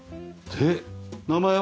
で名前は？